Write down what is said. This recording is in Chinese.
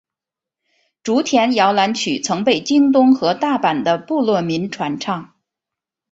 竹田摇篮曲曾被京都和大阪的部落民传唱。